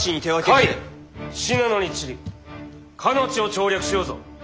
甲斐信濃に散りかの地を調略しようぞ！